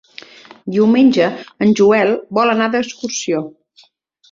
Diumenge en Joel vol anar d'excursió.